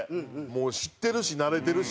もう知ってるし慣れてるし。